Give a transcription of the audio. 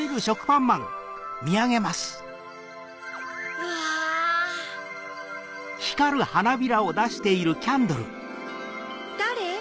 うわ！だれ？